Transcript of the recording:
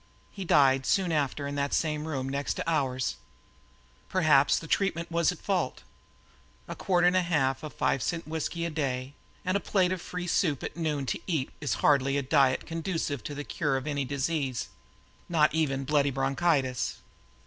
He died soon after in that same room next to ours. Perhaps his treatment was at fault. A quart and a half of five cent whiskey a day and only a plate of free soup at noon to eat is hardly a diet conducive to the cure of any disease not even "bloody bronchitis."